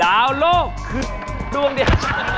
ดาวโลกคือดวงเดียว